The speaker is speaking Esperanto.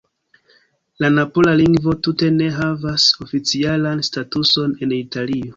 La napola lingvo tute ne havas oficialan statuson en Italio.